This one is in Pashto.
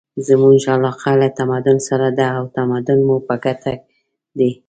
زموږ علاقه له تمدن سره ده او تمدن مو په ګټه دی.